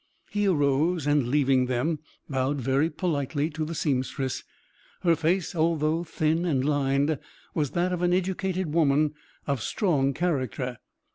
He arose, and, leaving them, bowed very politely to the seamstress. Her face, although thin and lined, was that of an educated woman of strong character.